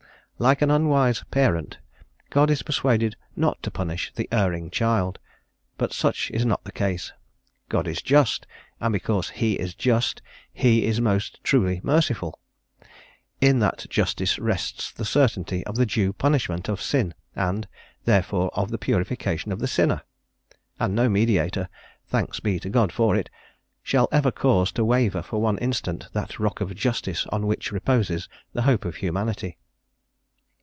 Like an unwise parent, God is persuaded not to punish the erring child. But such is not the case. God is just, and because He is just He is most truly merciful: in that justice rests the certainty of the due punishment of sin, and, therefore of the purification of the sinner! and no mediator thanks be to God for it! shall ever cause to waver for one instant that Rock of Justice on which reposes the hope of Humanity.